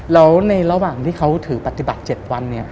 แล้วในระหว่างที่เขาถือปฏิบัติ๗วัน